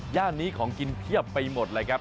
ย่านนี้ของกินเพียบไปหมดเลยครับ